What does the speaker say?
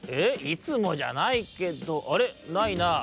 いつもじゃないけどあれ？ないなぁ」。